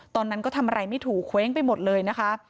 ตอนนั้นก็ทำอะไรไม่ถูกเคว้งไปหมดเลยนะคะ